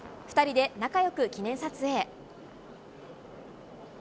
２人で仲良く記念撮影。